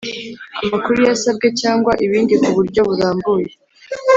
Amakuru yasabwe cyangwa ibindi kuburyo burambuye